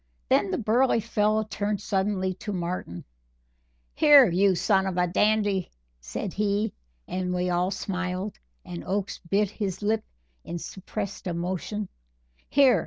Then the burly fellow turned suddenly to Martin: "Here, you son of a dandy!" said he, as we all smiled and Oakes bit his lip in suppressed emotion, "here!